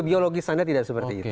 biologis anda tidak seperti itu